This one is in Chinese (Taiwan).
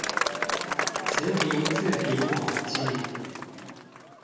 詞頻字頻統計